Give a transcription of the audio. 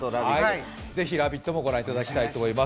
ぜひ、「ラヴィット！」もご覧いただきたいと思います。